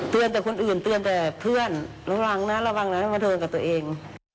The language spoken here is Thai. แต่คนอื่นเตือนแต่เพื่อนระวังนะระวังนะมาเดินกับตัวเอง